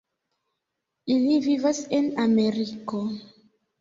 Ili vivas en Ameriko.